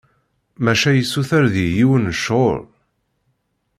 Maca yessuter deg-i yiwen n ccɣel!